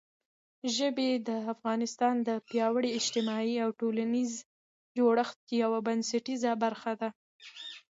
ژبې د افغانستان د پیاوړي اجتماعي او ټولنیز جوړښت یوه بنسټیزه برخه ده.